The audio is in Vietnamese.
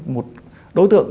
một đối tượng